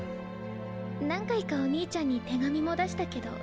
何回かお兄ちゃんに手紙も出したけど返事がなくて。